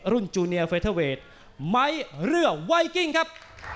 จูเนียเฟเทอร์เวทไม้เรือไวกิ้งครับ